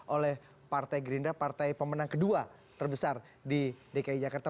oleh partai gerindra partai pemenang kedua terbesar di dki jakarta